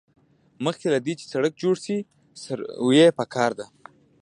مخکې له دې چې سړک جوړ شي سروې پکار ده